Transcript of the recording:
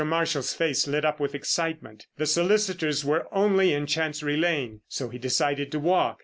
Marshall's face lit up with excitement. The solicitors were only in Chancery Lane, so he decided to walk.